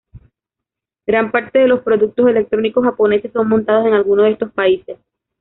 Gran parte de los productos electrónicos japoneses son montados en alguno de estos países.